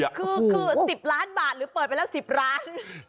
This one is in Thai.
คือ๑๐ล้านบาทหรือเปิดไปแล้ว๑๐ล้าน